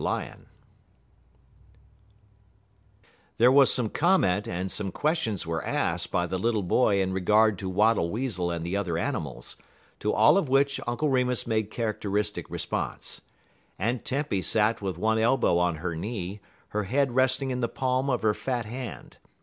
LION There was some comment and some questions were asked by the little boy in regard to Wattle Weasel and the other animals; to all of which Uncle Remus made characteristic response. Aunt Tempy sat with one elbow on her knee, her head resting in the palm of her fat hand.